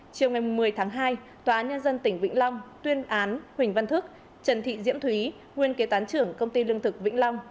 chiều ngày một mươi tháng hai tòa án nhân dân tỉnh vĩnh long tuyên án huỳnh văn thức trần thị diễm thúy nguyên kế toán trưởng công ty lương thực vĩnh long